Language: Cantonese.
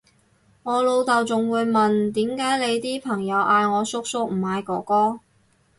我老豆仲會問點解你啲朋友嗌我叔叔唔嗌哥哥？